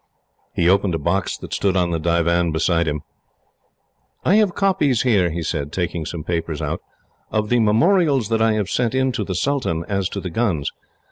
He opened a box that stood on the divan beside him. "I have copies here," he said, taking some papers out, "of the memorials that I have sent in to the sultan, as to the guns.